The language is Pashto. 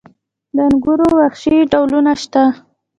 د انګورو وحشي ډولونه شته؟